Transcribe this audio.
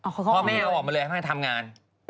พ่อแม่ออกมาเลยทำงาน